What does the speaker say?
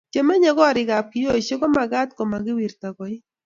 che menye korik ab kioisheck komakat komawirta koek